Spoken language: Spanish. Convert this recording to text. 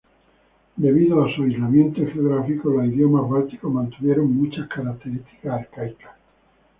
Debido a su aislamiento geográfico, los idiomas bálticos mantuvieron muchas características arcaicas.